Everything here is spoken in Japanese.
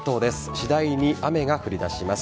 次第に雨が降りだします。